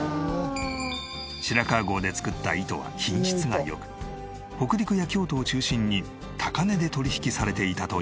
白川郷で作った糸は品質が良く北陸や京都を中心に高値で取引されていたという。